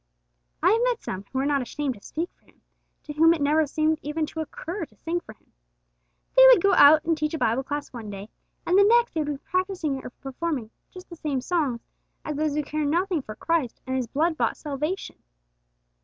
I have met some who were not ashamed to speak for Him, to whom it never seemed even to occur to sing for Him. They would go and teach a Bible class one day, and the next they would be practising or performing just the same songs as those who care nothing for Christ and His blood bought salvation.